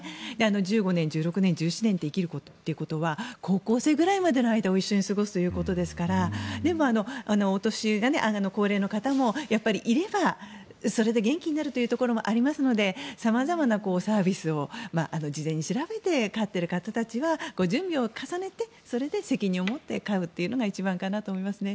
１５年、１６年、１７年と生きるということは高校生ぐらいの間を一緒に過ごすということですからでも、お年が高齢の方もやっぱりいれば、それで元気になるところもありますので様々なサービスを事前に調べて飼っている方たちは準備を重ねて責任を持って飼うというのが一番かなと思いますね。